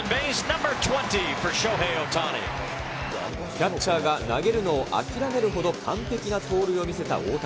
キャッチャーが投げるのを諦めるほど完璧な盗塁を見せた大谷。